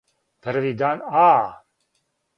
Први дан а,